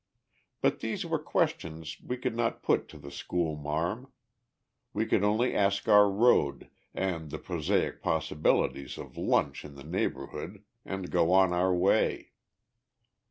But these were questions we could not put to the schoolmarm. We could only ask our road, and the prosaic possibilities of lunch in the neighbourhood, and go on our way.